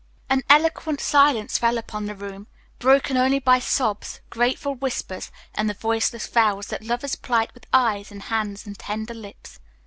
An eloquent silence fell upon the room, broken only by sobs, grateful whispers, and the voiceless vows that lovers plight with eyes, and hands, and tender lips.